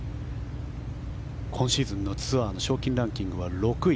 今シーズンのツアーの賞金ランキングは６位。